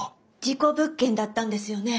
事故物件だったんですよね？